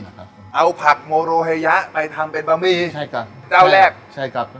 เอ่อเอ่อเอาผักโมโรเฮยะไปทำเป็นใช่ครับเจ้าแรกใช่ครับ